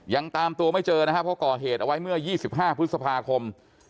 ยังตามตัวไม่เจอนะครับเพราะก่อเหตุเอาไว้เมื่อ๒๕พฤษภาคม